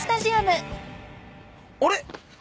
あれ？